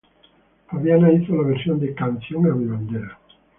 Fabiana hizo la versión de "Canción a mi bandera".